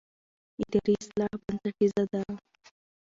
اداري اصلاح بنسټیزه ده